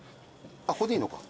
これでいいのか。